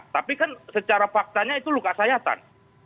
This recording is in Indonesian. tapi kan secara faktanya itu luka sayatan